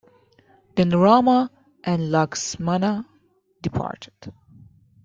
Then Rama and Laksmana departed.